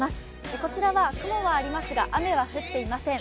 こちちは雲はありますが、雨は降っていません。